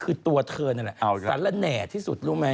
คือตัวเธอเนี่ยแสลนแหน่ที่สุดรู้ไหม